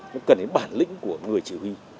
nó cần đến bản lĩnh của người chỉ huy